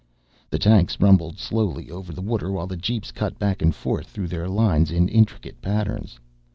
The tanks rumbled slowly over the water while the jeeps cut back and forth through their lines in intricate patterns.